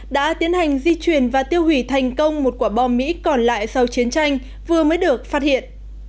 đã tiến hành di chuyển và tiêu hủy thành công một quả bom mỹ còn lại sau chiến tranh vừa mới được phát hiện